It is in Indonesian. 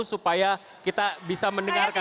supaya kita bisa mendengarkan